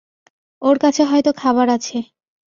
ওর কাছে হয়তো খাবার আছে।